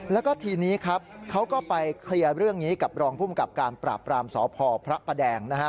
แล้วก็ทีนี้ครับเขาก็ไปเคลียร์เรื่องนี้กับรองภูมิกับการปราบปรามสพพระประแดงนะฮะ